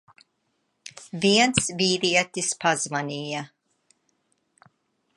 Viens vīrietis pazvanīja.